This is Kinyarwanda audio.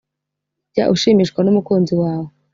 jya ushimishwa n’umukunzi wawe